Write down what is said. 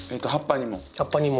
葉っぱにも？